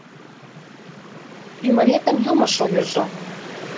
Ӱмыретым юмо шуйыжо.